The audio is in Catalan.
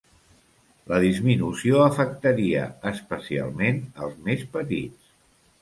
La disminució afectaria especialment els més petits.